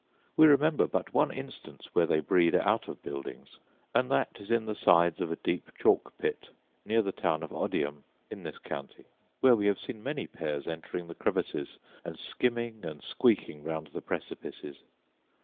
We remember but one instance where they breed out of buildings; and that is in the sides of a deep chalk pit near the town of Odiham, in this county, where we have seen many pairs entering the crevices, and skimming and squeaking round the precipices.